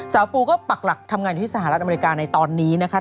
ปูก็ปักหลักทำงานอยู่ที่สหรัฐอเมริกาในตอนนี้นะคะ